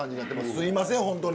すいません本当に。